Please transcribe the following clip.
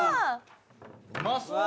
うまそう。